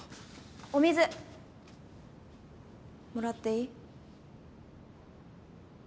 お水もらっていい？